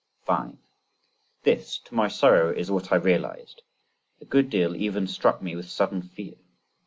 5. This, to my sorrow, is what I realised; a good deal even struck me with sudden fear.